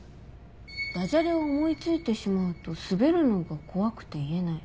「ダジャレを思いついてしまうと滑るのが怖くて言えない。